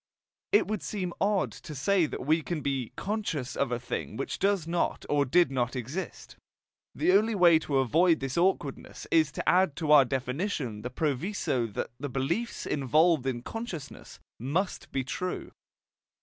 It would seem odd to say that we can be "conscious" of a thing which does not or did not exist. The only way to avoid this awkwardness is to add to our definition the proviso that the beliefs involved in consciousness must be TRUE.